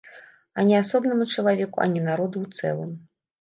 Ані асобнаму чалавеку, ані народу ў цэлым.